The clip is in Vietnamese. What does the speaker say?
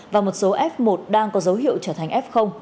và một số f một đang có dấu hiệu trở thành f